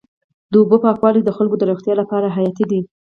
د اوبو پاکوالی د خلکو د روغتیا لپاره حیاتي دی.